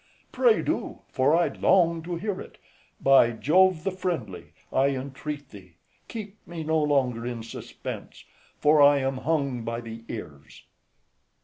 Pray do, for I long to hear it: by Jove the Friendly, I entreat thee, keep me no longer in suspense, for I am hung by the ears. MENIPPUS.